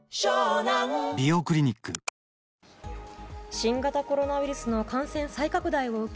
新型コロナウイルスの感染再拡大を受け